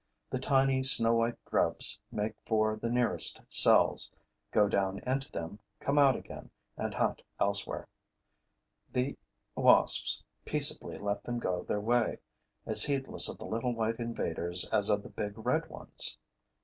The tiny, snow white grubs make for the nearest cells, go down into them, come out again and hunt elsewhere. The wasps peaceably let them go their way, as heedless of the little white invaders as of the big red ones.